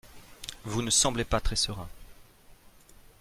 Vous ne semblez pas très serein